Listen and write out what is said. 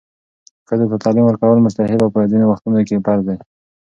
ښځو ته تعلیم ورکول مستحب او په ځینو وختونو کې فرض دی.